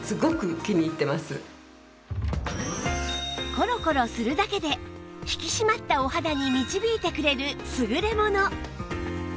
コロコロするだけで引き締まったお肌に導いてくれる優れもの！